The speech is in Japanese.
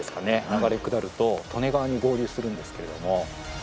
流れ下ると利根川に合流するんですけれども。